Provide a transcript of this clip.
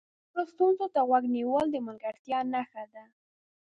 د نورو ستونزو ته غوږ نیول د ملګرتیا نښه ده.